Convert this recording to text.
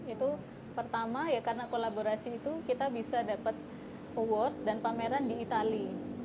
itu pertama ya karena kolaborasi itu kita bisa dapat award dan pameran di itali